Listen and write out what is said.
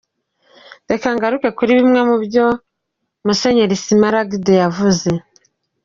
Reka ngaruke kuri bimwe mu byo Myr Smaragde yavuze.